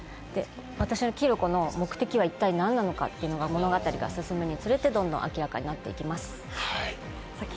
私のキリコの目的は一体何なのかというのが物語が進むにつれて、どんどん明らかになっていきます。